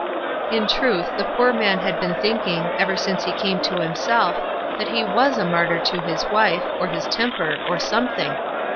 In truth, the poor man had been thinking, ever since he came to himself, that he teas a martyr to his wife, or his temper, or something.